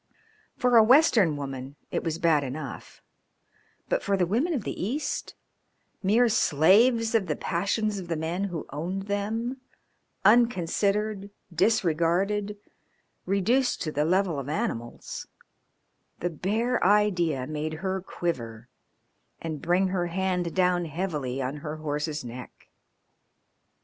For a Western woman it was bad enough, but for the women of the East, mere slaves of the passions of the men who owned them, unconsidered, disregarded, reduced to the level of animals, the bare idea made her quiver and bring her hand down heavily on her horse's neck.